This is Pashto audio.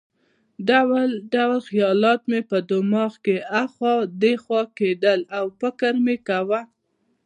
ډول ډول خیالات مې په دماغ کې اخوا دېخوا کېدل او فکر مې کاوه.